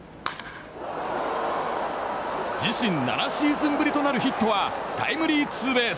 自身７シーズンぶりとなるヒットはタイムリーツーベース。